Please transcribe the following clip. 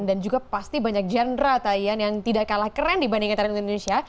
dan juga pasti banyak genre tarian yang tidak kalah keren dibandingkan tarian indonesia